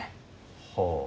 はあ。